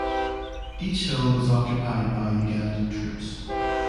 Each hill was occupied by Ugandan troops.